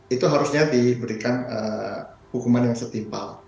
itu harusnya diberikan hukuman yang setimpal